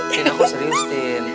tin aku serius tin